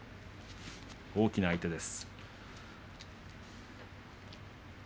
大きな相手です。